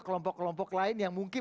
kelompok kelompok lain yang mungkin